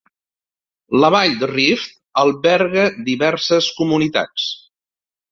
La vall de Rift alberga diverses comunitats.